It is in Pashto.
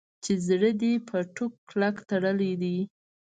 چې زړه دې په ټوک کلک تړلی دی.